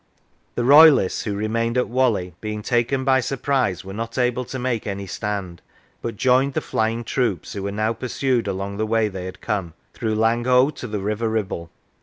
The Royalists who remained at Whalley, being taken by surprise, were not able to make any stand, but joined the flying troops, who were now pursued along the way they had come, through Langho to the River Ribble.